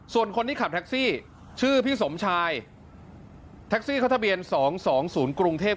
ส่วนคนที่ขับแท็กซี่ชื่อพี่สมชายแท็กซี่เขาทะเบียน๒๒๐กรุงเทพ